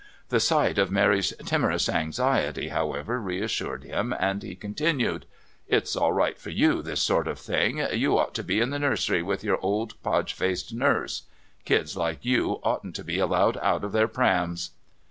The sight of Mary's timorous anxiety, however, reassured him, and he continued: "It's all right for you, this sort of thing. You ought to be in the nursery with your old podge faced nurse. Kids like you oughtn't to be allowed out of their prams."